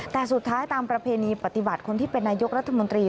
แต่สุดท้ายตามประเพณีปฏิบัติคนที่เป็นนายกรัฐมนตรี